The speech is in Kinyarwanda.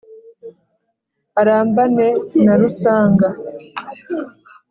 arambane na rusanga